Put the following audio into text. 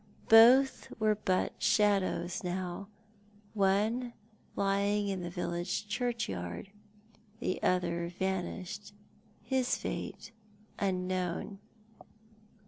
Both were but shadows now ; one lying in the village churchyard ; the other vanished, his fate unknown.